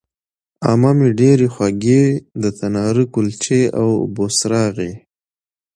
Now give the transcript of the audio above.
عمه مې ډېرې خوږې د تناره کلچې او بوسراغې